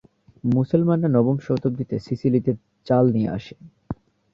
মুসলমানরা নবম শতাব্দীতে সিসিলিতে চাল নিয়ে আসে।